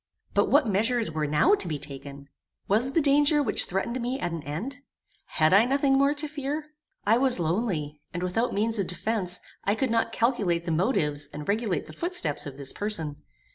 But what measures were now to be taken? Was the danger which threatened me at an end? Had I nothing more to fear? I was lonely, and without means of defence. I could not calculate the motives and regulate the footsteps of this person.